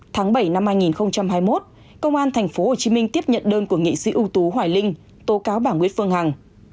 tháng bảy năm hai nghìn hai mươi một công an tp hcm tiếp nhận đơn của nghị sĩ ưu tú hoài linh tố cáo bà nguyễn phương hằng